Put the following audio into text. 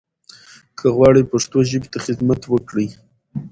که غواړٸ پښتو ژبې ته خدمت وکړٸ